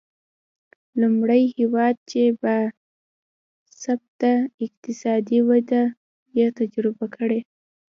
لومړی هېواد چې با ثباته اقتصادي وده یې تجربه کړې.